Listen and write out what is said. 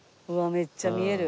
めっちゃ見える。